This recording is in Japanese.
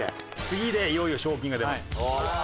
次でいよいよ賞金が出ます。